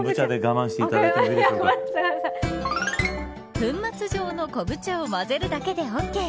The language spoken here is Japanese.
粉末状の昆布茶を混ぜるだけでＯＫ。